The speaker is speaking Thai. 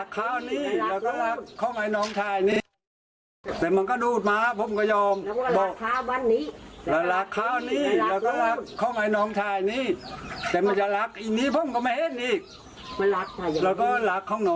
ก็แล้วจะเวรตกรรมจะบุง